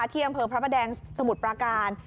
ที่อำเภอพระประแดงสมุทรปราการ